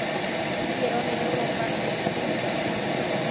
Vivieron en Europa en el Mioceno.